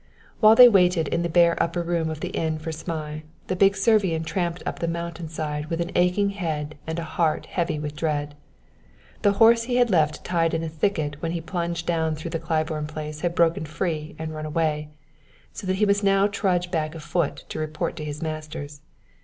While they waited in the bare upper room of the inn for Zmai, the big Servian tramped up the mountain side with an aching head and a heart heavy with dread. The horse he had left tied in a thicket when he plunged down through the Claiborne place had broken free and run away; so that he must now trudge back afoot to report to his masters.